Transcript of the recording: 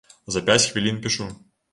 За пяць хвілін пішу.